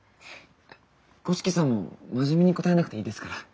五色さんも真面目に答えなくていいですから。